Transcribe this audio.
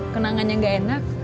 kenangan yang gak enak